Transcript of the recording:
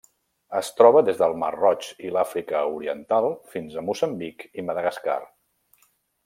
Es troba des del Mar Roig i l'Àfrica Oriental fins a Moçambic i Madagascar.